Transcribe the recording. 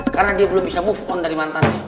karena dia belum bisa move on dari mantannya